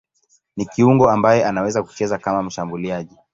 Ni kiungo ambaye anaweza kucheza kama mshambuliaji.